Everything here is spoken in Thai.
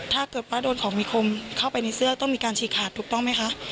ถ้าเกิดว่าโดนของมีคมเข้าไปในเสื้อต้องมีการฉีกขาดถูกต้องไหมคะ